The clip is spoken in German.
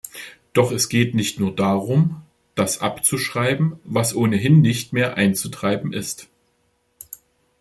Doch es geht nicht nur darum, das abzuschreiben, was ohnehin nicht mehr einzutreiben ist.